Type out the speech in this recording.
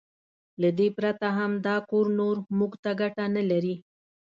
له دې پرته هم دا کور نور موږ ته ګټه نه لري.